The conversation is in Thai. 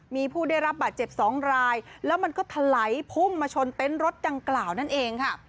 มีผู้ได้รับบาดเจ็บสองรายแล้วมันก็ถลายพุ่งมาชนเต็นต์รถดังกล่าวนั่นเองค่ะ